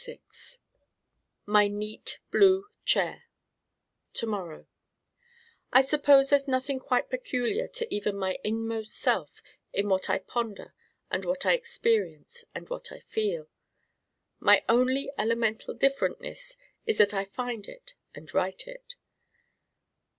My neat blue chair To morrow I suppose there's nothing quite peculiar to even my inmost self in what I ponder and what I experience and what I feel. My only elemental 'differentness' is that I find it and write it.